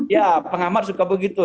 ya pengamat suka begitu